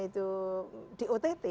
itu di ott